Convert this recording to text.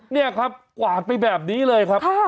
นี่ครับกวาดไปแบบนี้เลยครับ